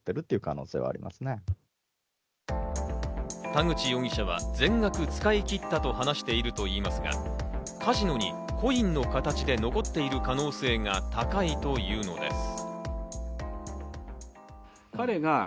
田口容疑者は全額使い切ったと話しているといいますが、カジノにコインの形で残っている可能性が高いというのです。